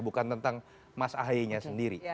bukan tentang mas ahaye nya sendiri